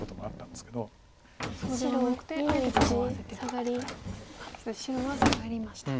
そして白はサガりました。